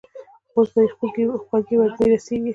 اوس به يې خوږې وږمې رسېږي.